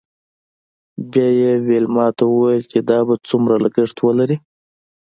بیا یې ویلما ته وویل چې دا به څومره لګښت ولري